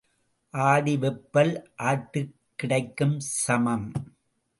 ஆடி வெப்பல் ஆட்டுக் கிடைக்குச் சமம்.